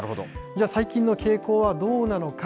じゃあ、最近の傾向はどうなのか。